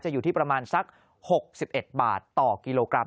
อยู่ที่ประมาณสัก๖๑บาทต่อกิโลกรัม